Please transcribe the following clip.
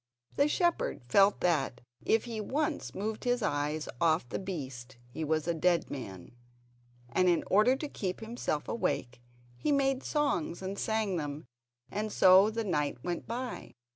The shepherd felt that if he once removed his eyes off the beast he was a dead man, and in order to keep himself awake he made songs and sang them, and so the night went by.